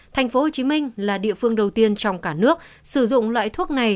thành phố hồ chí minh là địa phương đầu tiên trong cả nước sử dụng loại thuốc này